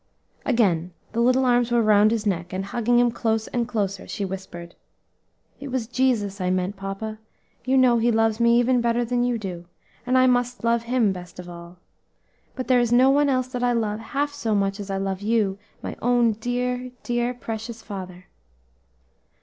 Again the little arms were round his neck, and hugging him close and closer, she whispered, "It was Jesus I meant, papa; you know He loves me even better than you do, and I must love Him best of all; but there is no one else that I love half so much as I love you, my own dear, dear precious father."